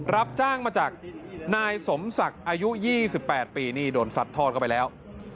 รับจ้างมาจากนายสมศักดิ์อายุ๒๘ปีนี่โดนซัดทอดเข้าไปแล้ว